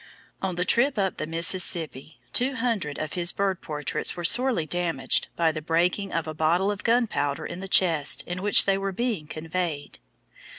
On the trip up the Mississippi, two hundred of his bird portraits were sorely damaged by the breaking of a bottle of gunpowder in the chest in which they were being conveyed.